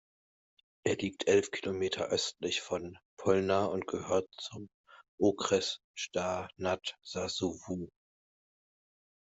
Er liegt elf Kilometer östlich von Polná und gehört zum Okres Žďár nad Sázavou.